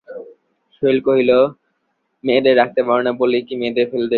শৈল কহিল, মেয়েদের রাখতে পার না বলেই কি মেয়েদের ফেলে দেবে মা!